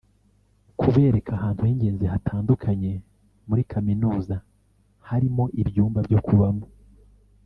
kubereka ahantu h’ingezi hatandukanye muri kaminuza harimo ibyumba byo kubamo